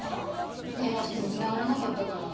電話してもつながらなかったから。